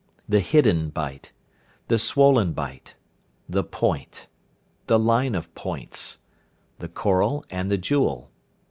The hidden bite. The swollen bite. The point. The line of points. The coral and the jewel.